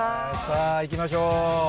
さぁ行きましょう。